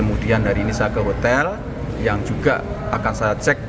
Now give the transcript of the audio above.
kemudian hari ini saya ke hotel yang juga akan saya cek